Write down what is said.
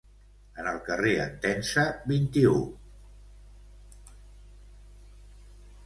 En el Carrer Entença vint-i-u.